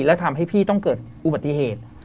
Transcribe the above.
แล้วทำให้พี่ต้องเกิดอุบัติเหตุ